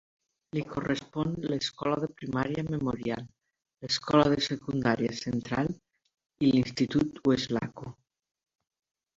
Li correspon l'escola de primària Memorial, l'escola de secundària Central i l'institut Weslaco.